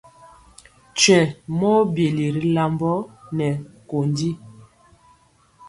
Twɛŋ mɔ byeli ri lambɔ nɛ kondi.